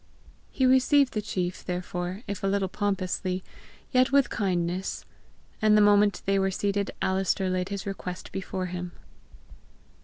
He received the Macruadh, therefore, if a little pompously, yet with kindness. And the moment they were seated Alister laid his request before him.